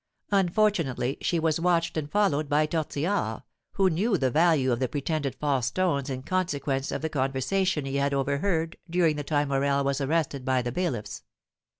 Unfortunately she was watched and followed by Tortillard, who knew the value of the pretended false stones in consequence of the conversation he had overheard during the time Morel was arrested by the bailiffs.